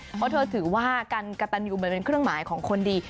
เพราะเธอถือว่าการกระตันยูมันเป็นเครื่องหมายของคนดี